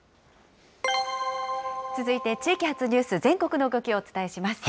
続いて地域発ニュース、全国の動きをお伝えします。